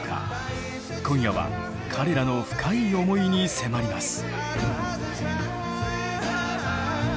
今夜は彼らの深い思いに迫ります。